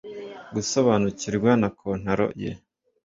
gusobanukirwa na kontaro ye